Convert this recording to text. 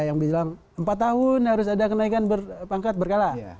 yang bilang empat tahun harus ada kenaikan pangkat berkala